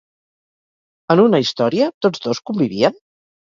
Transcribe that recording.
En una història, tots dos convivien?